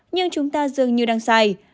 nhưng chúng ta dường như đang sai